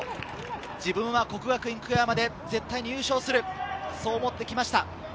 自分は國學院久我山で絶対に優勝する、そう思ってきました。